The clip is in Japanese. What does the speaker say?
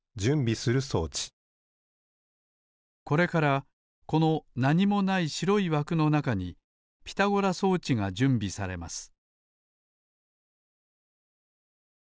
これからこのなにもないしろいわくのなかにピタゴラ装置がじゅんびされます